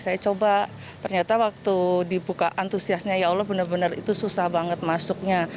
saya coba ternyata waktu dibuka antusiasnya ya allah benar benar itu susah banget masuknya